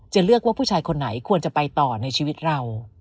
เลือกว่าผู้ชายคนไหนควรจะไปต่อในชีวิตเรา